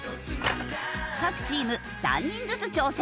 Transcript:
各チーム３人ずつ挑戦。